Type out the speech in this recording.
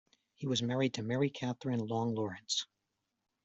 He was married to Mary Kathryn Long Lawrence.